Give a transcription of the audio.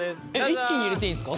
一気に入れていいんですか？